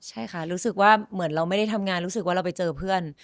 ใช่ค่ะรู้สึกว่าเหมือนเราไม่ได้ทำงานรู้สึกว่าเราไปเจอเพื่อน